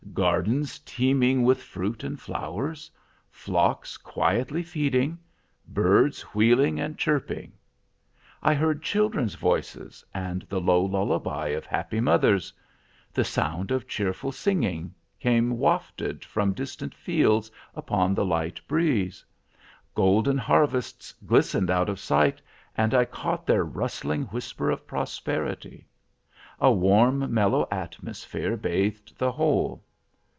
Gardens teeming with fruit and flowers; flocks quietly feeding; birds wheeling and chirping. I heard children's voices, and the low lullaby of happy mothers. The sound of cheerful singing came wafted from distant fields upon the light breeze. Golden harvests glistened out of sight, and I caught their rustling whisper of prosperity. A warm, mellow atmosphere bathed the whole.